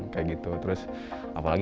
apalagi di pandemi